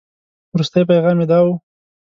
وروستي پيغام یې داو.